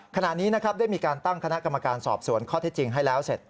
ขณะนี้นะครับได้มีการตั้งคณะกรรมการสอบสวนข้อเท็จจริงให้แล้วเสร็จ